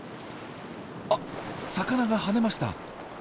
あっ魚が跳ねました。